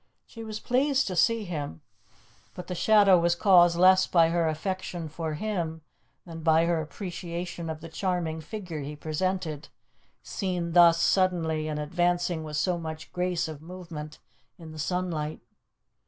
She was pleased to see him, but the shadow was caused less by her affection for him than by her appreciation of the charming figure he presented, seen thus suddenly and advancing with so much grace of movement in the sunlight.